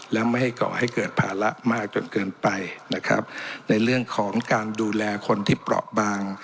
และไม่ให้ก่อให้เกิดภาระมากจนเกินไปนะครับในเรื่องของการดูแลคนที่เปราะบาง